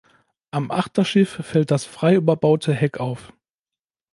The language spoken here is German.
Am Achterschiff fällt das frei überbaute Heck auf.